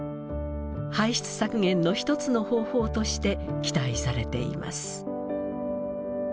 排出削減の一つの方法として期待されています。